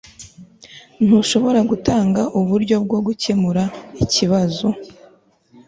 ntushobora gutanga uburyo bwo gukemura ikibazo